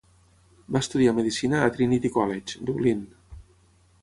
Va estudiar medicina a Trinity College, Dublín.